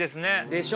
でしょ？